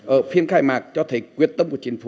ở phiên khai mạc cho thấy quyết tâm của chính phủ